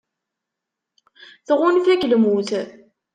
Tɣunfa-k lmut.